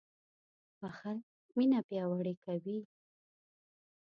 • بښل مینه پیاوړې کوي.